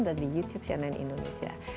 dan di youtube cnn indonesia